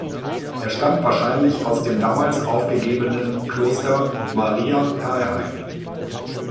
Er stammt wahrscheinlich aus dem damals aufgegebenen Kloster Maria-Dalheim.